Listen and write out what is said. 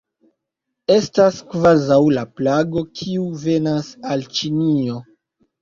Estas kvazaŭ la plago, kiu venas al Ĉinio.